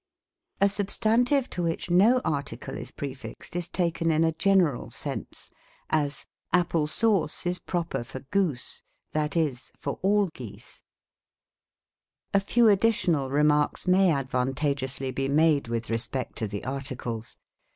A substantive to which no article is prefixed is taken OQ THE COMIC ENGLISH GRAMMAR. in a general sense; as, "Apple sauce is proper for goose ;" that is, for all geese. APPLE SAUCE. A few additional remarks may advantageously be made with respect to the articles.